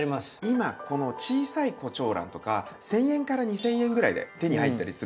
今この小さいコチョウランとか１，０００円から２，０００円ぐらいで手に入ったりするんですよ